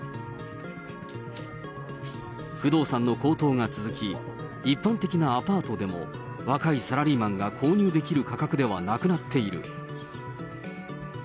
不動産の高騰が続き、一般的なアパートでも若いサラリーマンが購入できる価格ではなくなっている。